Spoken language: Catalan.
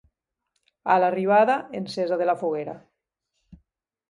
A l'arribada, encesa de la foguera.